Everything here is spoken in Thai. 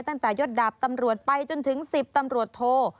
ตั้งแต่ยดดาบตำรวจไปจนถึง๑๐ตำรวจโท